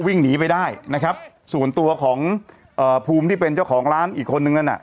วิ่งหนีไปได้นะครับส่วนตัวของเอ่อภูมิที่เป็นเจ้าของร้านอีกคนนึงนั้นน่ะ